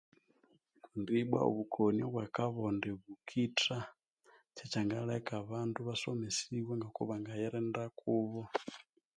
Kundi ibwa obukoni bwa kabonde bukitha, kyekyangaleka abandu ibasomesibwa ngoku bangairinda kubo.